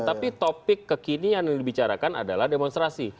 tapi topik kekini yang dibicarakan adalah demonstrasi